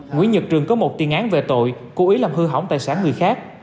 nguyễn nhật trường có một tiên án về tội cố ý làm hư hỏng tài sản người khác